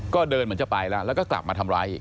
ก็เดินเหมือนจะไปแล้วแล้วก็กลับมาทำร้ายอีก